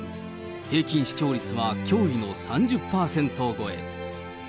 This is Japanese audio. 平均視聴率は驚異の３０％超え。